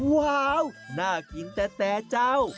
ว้าวน่ากินแต่เจ้า